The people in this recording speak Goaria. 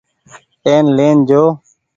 اين لين آجو ۔